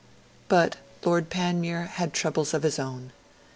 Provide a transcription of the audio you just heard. But Lord Panmure had troubles of his own.